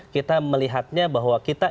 kita melihatnya bahwa kita